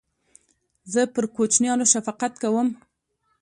زه پر کوچنیانو شفقت کوم.